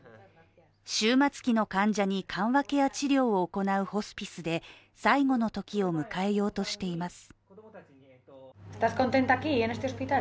終末期の患者に緩和ケア治療を行うホスピスで最期の時を迎えようとしています。